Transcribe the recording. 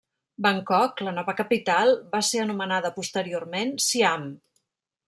Bangkok, la nova capital, va ser anomenada posteriorment Siam.